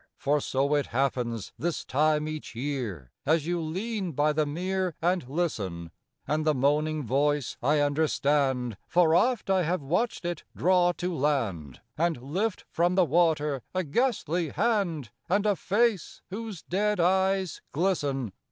For so it happens this time each year As you lean by the Mere and listen: And the moaning voice I understand, For oft I have watched it draw to land, And lift from the water a ghastly hand And a face whose dead eyes glisten.